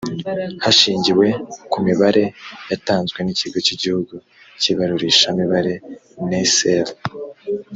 hashingiwe ku mibare yatanzwe n ikigo cy igihugu cy ibarurishamibare nisr